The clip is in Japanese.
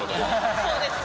そうですね。